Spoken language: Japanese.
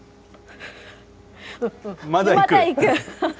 まだいく？